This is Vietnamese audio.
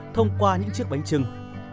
thông qua những chiếc bánh trưng